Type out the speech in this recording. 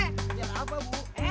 kejar apa bu